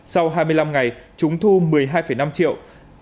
sau hai mươi năm ngày chúng thu một mươi hai năm triệu